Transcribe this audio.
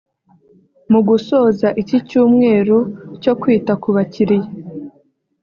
Mu gusoza iki cyumweru cyo kwita ku bakiriya